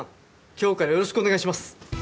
今日からよろしくお願いします。